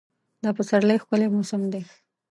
دا پسرلی ښکلی موسم دی.